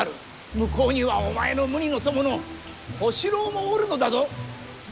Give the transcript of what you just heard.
向こうには、お前の無二の友の小四郎もおるのだぞ。